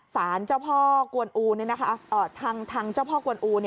สารเจ้าพ่อกวนอูทางเจ้าพ่อกวนอู